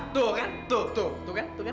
tuh kan tuh tuh tuh kan tuh kan